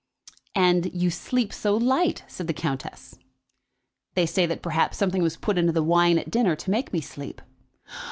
"And you that sleep so light," said the countess. "They say that perhaps something was put into the wine at dinner to make me sleep."